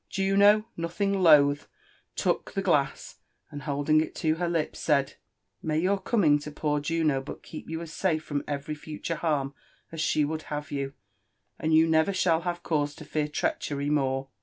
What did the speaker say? Juno, oothing loath, took the glass, and holding it lo her lips, said, " May your coming to poor Juno but keep you as safe from every future harm as she would have you, and you never shall have cause to fear treachery more!"